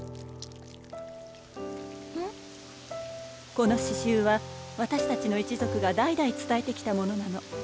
この刺繍は私たちの一族が代々伝えてきたものなの。